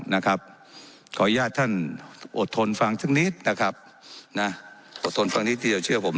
นะครับขออนุญาตท่านอดทนฟังสักนิดนะครับนะอดทนฟังนิดเดียวเชื่อผม